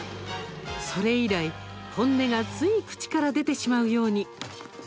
それ以来、本音がつい口から出てしまうように。